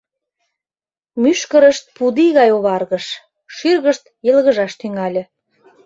Мӱшкырышт пудий гай оваргыш, шӱргышт йылгыжаш тӱҥале.